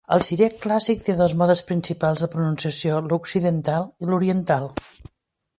El siríac clàssic té dos modes principals de pronunciació: l'occidental i l'oriental.